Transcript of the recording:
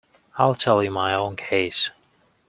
I'll tell you my own case.